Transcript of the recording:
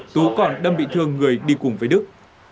tú còn đâm bị thương người đi cùng với đức